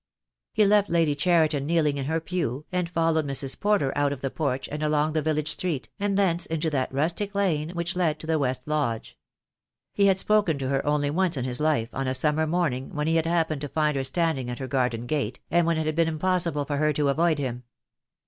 He left Lady Cheriton kneeling in her pew, and fol lowed Mrs. Porter out of the porch and along the village street, and thence into that rustic lane which led to the West Lodge. He had spoken to her only once in his life, on a summer morning, when he had happened to find her standing at her garden gate, and when it had been impossible for her to avoid him.